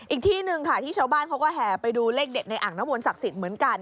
อีกที่หนึ่งค่ะที่ชาวบ้านเขาก็แห่ไปดูเลขเด็ดในอ่างน้ำมนศักดิ์สิทธิ์เหมือนกัน